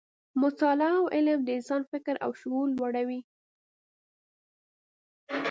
مطالعه او علم د انسان فکر او شعور لوړوي.